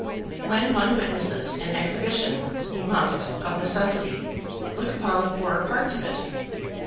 When one witnesses an exhibition he must, of necessity, look upon the poorer parts of it.